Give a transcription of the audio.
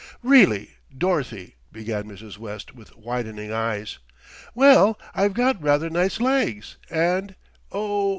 "Really, Dorothy!" began Mrs. West, with widening eyes. "Well, I've got rather nice legs, and Oh!